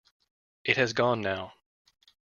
It has gone now.